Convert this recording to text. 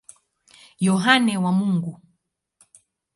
Yohane wa Mungu.